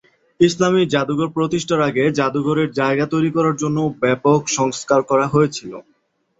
ইসলামী জাদুঘর প্রতিষ্ঠার আগে জাদুঘরের জায়গা তৈরি করার জন্য ব্যাপক সংস্কার করা হয়েছিল।